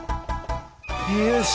よし。